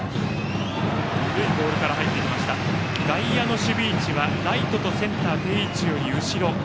外野の守備位置はライトとセンターは定位置より後ろ。